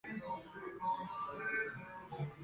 أرشف ثغرًا